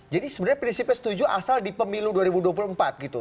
jadi sebenarnya prinsipnya setuju asal di pemilu dua ribu dua puluh empat gitu